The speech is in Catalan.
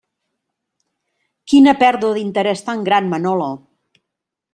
Quina pèrdua d'interès tan gran, Manolo!